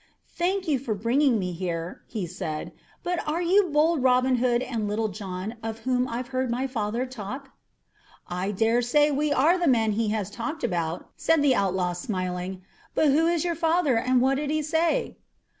"Thank you for bringing me here," he said; "but are you bold Robin Hood and Little John, of whom I've heard my father talk?" "I daresay we are the men he has talked about," said the outlaw smiling; "but who is your father, and what did he say?"